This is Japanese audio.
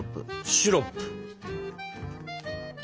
シロップ。